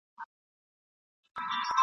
چي ميدان ويني مستيږي ..